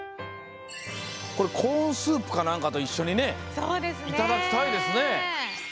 これコーンスープかなんかといっしょにねいただきたいですね。